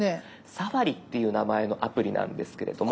「Ｓａｆａｒｉ」っていう名前のアプリなんですけれども。